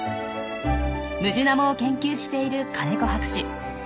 ムジナモを研究している金子博士。